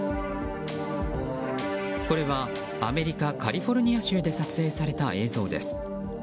これはアメリカカリフォルニア州で撮影された映像です。